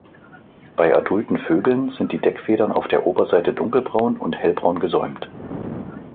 Bei adulten Vögeln sind die Deckfedern auf der Oberseite dunkelbraun und hellbraun gesäumt.